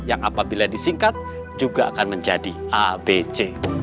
yang apabila disingkat juga akan menjadi abc